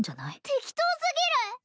適当すぎる！